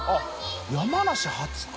△山梨初か。